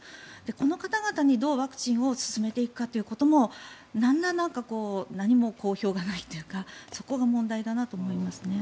この方々にどうワクチンを進めていくかもなんら何も公表がないというかそこが問題だなと思います。